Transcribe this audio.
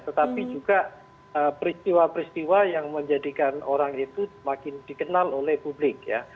tetapi juga peristiwa peristiwa yang menjadikan orang itu makin dikenal oleh publik ya